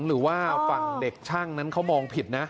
หรือว่าฝั่งเด็กช่างนั้นเขามองผิดนะ